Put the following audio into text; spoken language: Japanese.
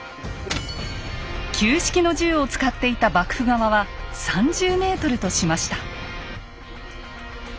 旧式の銃を使っていた幕府側は３０ｍとしました。